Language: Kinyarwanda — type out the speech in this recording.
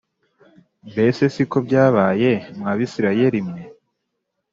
Mbese si ko byabaye mwa Bisirayeli mwe?